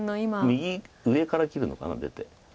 右上から切るのかな出て。